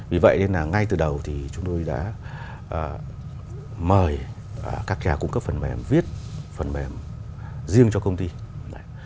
vì vậy nên là ngay từ đầu thì chúng tôi đã mời các nhà cung cấp phần mềm viết phần mềm riêng cho công ty